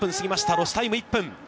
ロスタイム１分。